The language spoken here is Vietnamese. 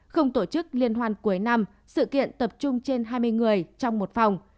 không tổ chức liên hoan cuối năm sự kiện tập trung trên hai mươi người trong một phòng